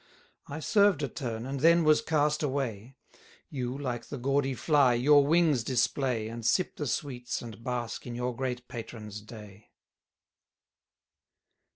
I served a turn, and then was cast away; You, like the gaudy fly, your wings display, And sip the sweets, and bask in your great patron's day.